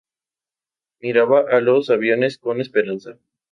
Miraba a los aviones con esperanza.